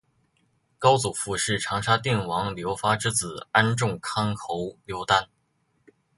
高祖父是长沙定王刘发之子安众康侯刘丹。